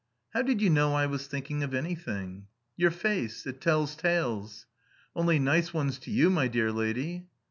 "How did you know I was thinking of anything?" "Your face. It tells tales." "Only nice ones to you, my dear lady."